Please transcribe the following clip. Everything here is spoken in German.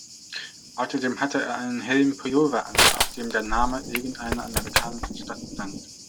Außerdem hatte er einen hellen Pullover an, auf dem der Name irgendeiner amerikanischen Stadt stand.